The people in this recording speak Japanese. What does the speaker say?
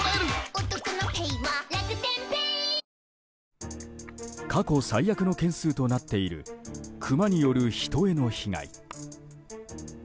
疱疹過去最悪の件数となっているクマによる人への被害。